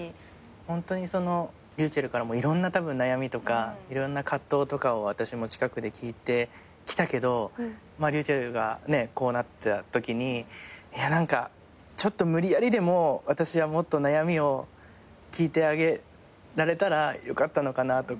ホントにｒｙｕｃｈｅｌｌからもいろんな悩みとかいろんな葛藤とかを私も近くで聞いてきたけどｒｙｕｃｈｅｌｌがこうなったときにちょっと無理やりでも私はもっと悩みを聞いてあげられたらよかったのかなとか。